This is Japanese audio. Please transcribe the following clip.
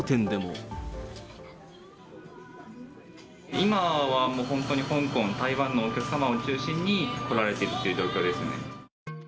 今はもう、本当に香港、台湾のお客様を中心に、来られているっていう状況ですね。